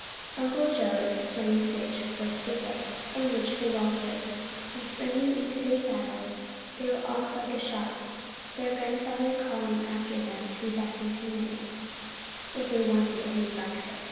Uncle Joe explained which was for Dick, and which for Walter, and springing into their saddles, they were off like a shot, their grandfather calling after them to be back in ten minutes if they wanted any breakfast.